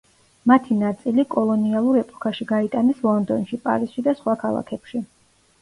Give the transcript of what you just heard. მათი ნაწილი კოლონიალურ ეპოქაში გაიტანეს ლონდონში, პარიზში და სხვა ქალაქებში.